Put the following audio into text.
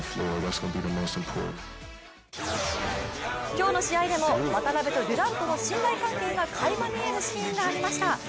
今日の試合でも渡邊とデュラントの信頼関係がかいま見えるシーンがありました。